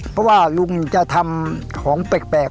เพราะว่าลุงจะทำของแปลก